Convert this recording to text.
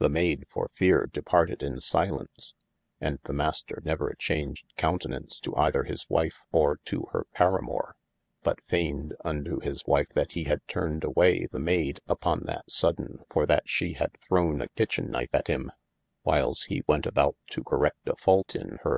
The mayde for feare departed in silence, and the Maister never changed coiitenance to either his wife or to hir paramour, but fayned unto his wife that he had turned a waye the mayde upon that sodayne, for that shee had throwen a Kitchin knife at him, whiles he went about to correct a fault in hir.